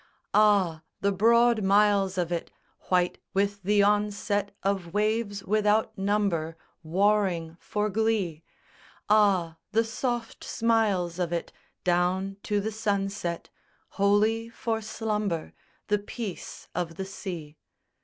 Ah! the broad miles of it, White with the onset Of waves without number Warring for glee. Ah! the soft smiles of it Down to the sunset, Holy for slumber, The peace of the sea.